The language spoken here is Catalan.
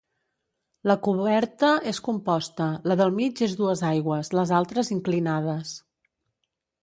La coberta és composta, la del mig és dues aigües, les altres inclinades.